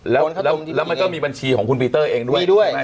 แล้วมันก็มีบัญชีของคุณปีเตอร์เองด้วย